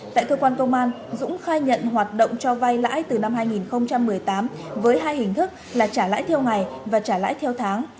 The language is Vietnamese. tại cơ quan công an dũng khai nhận hoạt động cho vay lãi từ năm hai nghìn một mươi tám với hai hình thức là trả lãi theo ngày và trả lãi theo tháng